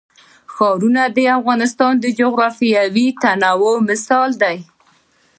ښارونه د افغانستان د جغرافیوي تنوع مثال دی.